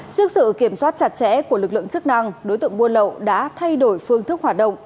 trước sự kiểm soát chặt chẽ của lực lượng chức năng đối tượng buôn lậu đã thay đổi phương thức hoạt động